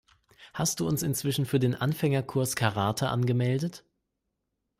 Hast du uns inzwischen für den Anfängerkurs Karate angemeldet?